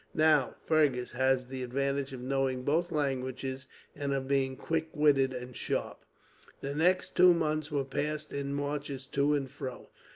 Now, Fergus has the advantage of knowing both languages, and of being quick witted and sharp." The next two months were passed in marches to and fro.